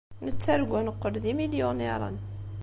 Nettargu ad neqqel d imilyuniṛen.